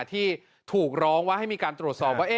ที่ถูกร้องว่าให้มีการตรวจสอบว่า